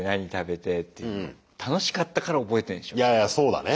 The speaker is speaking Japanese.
いやいやそうだね。